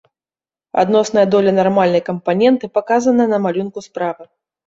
Адносная доля нармальнай кампаненты паказана на малюнку справа.